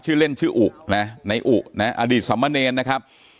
ชื่อเล่นชื่ออุนะในอุนะอดีตสมเนรนะครับ